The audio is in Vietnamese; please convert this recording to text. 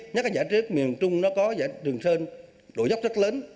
nhắc đến giải trí miền trung nó có giải trí trường sơn độ dốc rất lớn